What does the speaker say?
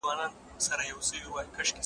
تاسو باید په ناحقه مال ونه خورئ.